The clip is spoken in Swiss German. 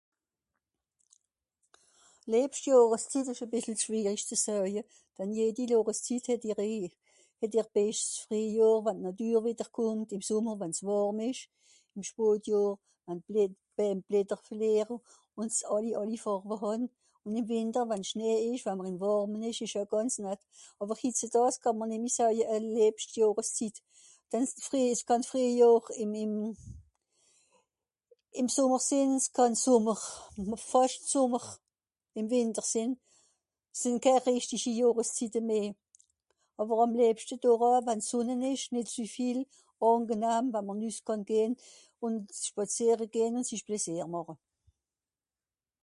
Lìebscht Johreszitt, ìsch bìssel schwìerisch ze zoeje, denn jedi Johreszitt het (...) Frèhjor, wenn d'Nàtür zerùck kùmmt, ìm Sùmmer wann's wàrm ìsch, Ìm Spotjohr, wann d'Blä... d'Bääm d'Blätter verlìere, ùn se àlli àlli Fàrwe hàn, ùn ìm Wìter wann Schnee ìsch, wa mr ìm Wàrme ìsch, àwer hizeààs kàà'mr nìmmi soeje e lìebscht Johreszitt denn s'Frìe... s'kànn Frìehjohr ìm... ìm...ìm Sùmmer sìnn, 's kànn Sùmmer, odder fàscht Sùmmer ìm Wìnter sìnn. 's sìnn kè rìchtischi Johreszitte meh. Àwer àm lìebschte doch au wenn's Sùnne-n-ìsch, nìt zü viel, àngenahm, wa'mr nüss kànn gehn, spàzìeregehn ùn sìch Pläsìer màche.